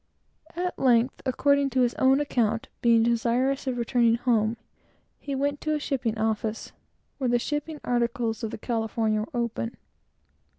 At length, according to his own account, being desirous of returning home, he went to a shipping office, where the shipping articles of the California were open.